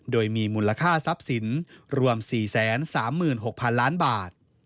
โดยมีมูลค่าทรัพย์สินรวม๔๓๖๐๐๐ล้านบาท